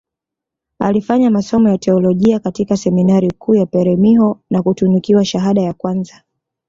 Alifanya masomo ya Teolojia katika seminari kuu ya peremiho na kutunukiwa shahada ya kwanza